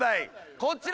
こちら。